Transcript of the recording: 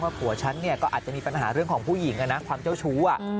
ผัวฉันเนี่ยก็อาจจะมีปัญหาเรื่องของผู้หญิงความเจ้าชู้